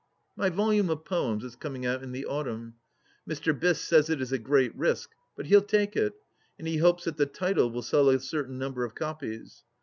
THE LAST DITCH 41 My volume of poems is coming out in the autumn, Mr. Biss says it is a great risk, but he'll take it, and he hopes that the title will sell a certain number of copies.